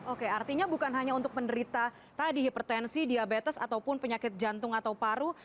oke artinya bukan hanya untuk penderita tadi hipertensi diabetes ataupun penyakit jantung atau paru